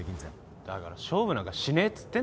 だから勝負なんかしねえっつってんだろ。